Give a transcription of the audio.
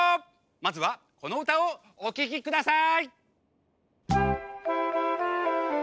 まずはこのうたをおききください！